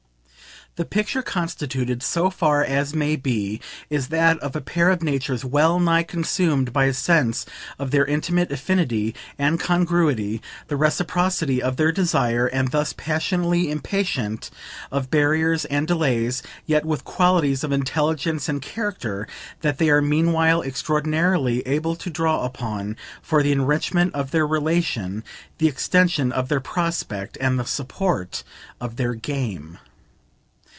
The picture constituted, so far as may be, is that of a pair of natures well nigh consumed by a sense of their intimate affinity and congruity, the reciprocity of their desire, and thus passionately impatient of barriers and delays, yet with qualities of intelligence and character that they are meanwhile extraordinarily able to draw upon for the enrichment of their relation, the extension of their prospect and the support of their "game."